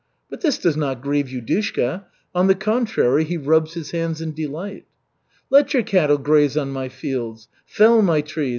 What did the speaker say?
But this does not grieve Yudushka, on the contrary he rubs his hands in delight. "Let your cattle graze on my fields, fell my trees.